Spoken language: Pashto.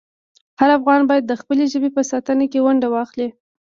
هر افغان باید د خپلې ژبې په ساتنه کې ونډه واخلي.